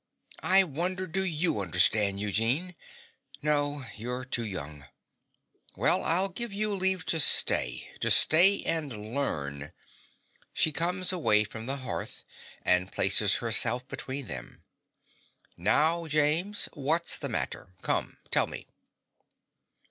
I wonder do you understand, Eugene! No: you're too young. Well, I give you leave to stay to stay and learn. (She comes away from the hearth and places herself between them.) Now, James: what's the matter? Come: tell me.